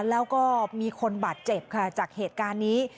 แล้วก็มีคนบาดเจ็บค่ะจากเหตุการณ์นี้